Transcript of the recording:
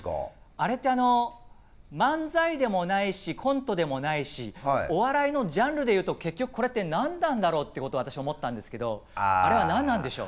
あれってあの漫才でもないしコントでもないしお笑いのジャンルでいうと結局これって何なんだろうってことを私思ったんですけどあれは何なんでしょう？